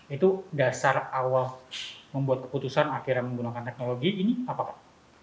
itu dasar awal membuat keputusan akhirnya menggunakan teknologi ini apa pak